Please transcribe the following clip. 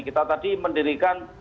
kita tadi mendirikan